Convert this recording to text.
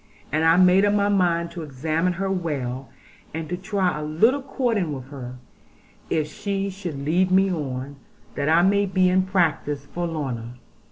And I made up my mind to examine her well, and try a little courting with her, if she should lead me on, that I might be in practice for Lorna.